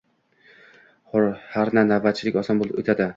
Harna, navbatchilik oson o`tadi